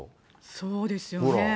そうですよね。